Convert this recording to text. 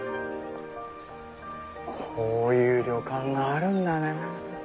こういう旅館があるんだね。